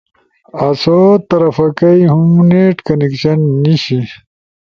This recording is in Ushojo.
آسئی طرف کئی ہم نیٹ کنکشن نیِش۔